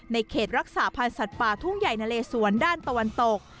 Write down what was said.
เขตรักษาพันธ์สัตว์ป่าทุ่งใหญ่นะเลสวนด้านตะวันตก